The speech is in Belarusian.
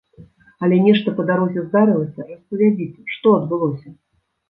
Але нешта па дарозе здарылася, распавядзіце, што адбылося?